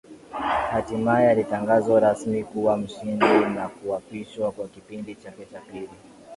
Hatimaye alitangazwa rasmi kuwa mshindi na kuapishwa kwa kipindi chake cha pili